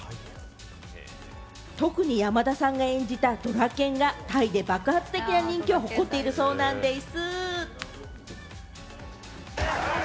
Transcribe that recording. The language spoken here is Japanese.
特に山田さんが演じたドラケンが、タイで爆発的な人気を誇っているそうなんでぃす。